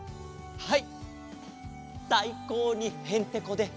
はい。